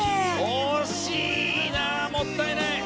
惜しいなもったいない。